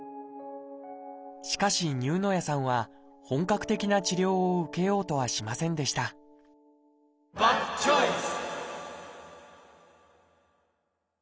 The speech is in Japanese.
しかし丹生谷さんは本格的な治療を受けようとはしませんでしたバッドチョイス！